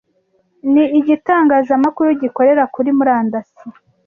ni igitangazamakuru gikorera kuri murandasi